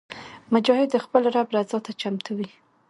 مجاهد د خپل رب رضا ته چمتو وي.